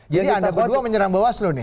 jadi anda berdua menyerang bawaslu nih